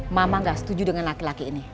mama gak setuju dengan laki laki ini